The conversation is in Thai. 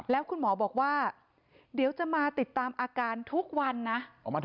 แล้วคุณหมอบอกว่าเดี๋ยวจะมาติดตามอาการทุกวันนะ